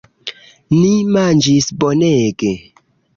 Ni manĝis bonege.